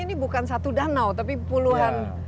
ini bukan satu danau tapi puluhan